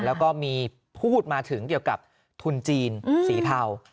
แล้วก็มีพูดมาถึงเกี่ยวกับทุนจีนสีเทา